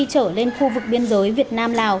trở lên khu vực biên giới việt nam lào